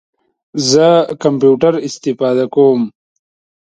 زه کمپیوټر استفاده کوم